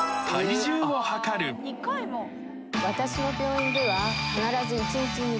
私の病院では必ず。